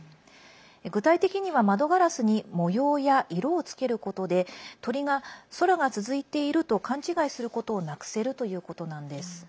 具体的には、窓ガラスに模様や色をつけることで鳥が空が続いていると勘違いすることをなくせるということなんです。